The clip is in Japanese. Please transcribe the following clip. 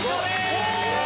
お！